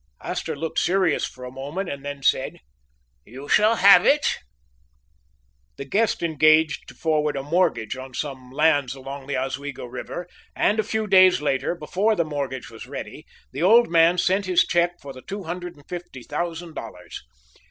Astor looked serious for a moment, and then said: "You shall have it." The guest engaged to forward a mortgage on some lands along the Oswego River, and a few days after, before the mortgage was ready, the old man sent his check for the two hundred and fifty thousand dollars.